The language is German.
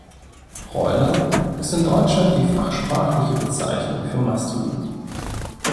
Broiler ist in Deutschland die fachsprachliche Bezeichnung für Masthuhn.